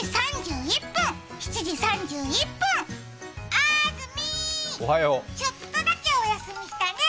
あずみ、ちょっとだけお休みしたね。